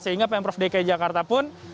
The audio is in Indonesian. sehingga pm prof dki jakarta pun